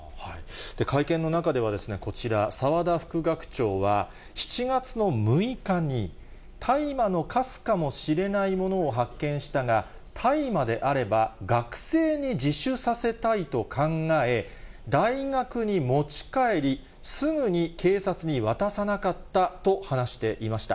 会見の中では、こちら、澤田副学長は、７月の６日に、大麻のかすかもしれないものを発見したが、大麻であれば学生に自首させたいと考え、大学に持ち帰り、すぐに警察に渡さなかったと話していました。